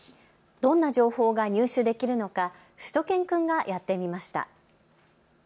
どんな情報が入手できるのか、しゅと犬くんがやってみました。